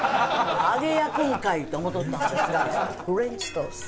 揚げ焼くんかい！と思うとったんですがフレンチトースト。